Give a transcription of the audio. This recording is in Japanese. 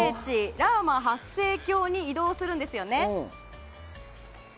ラーマ８世橋に移動するんですよね。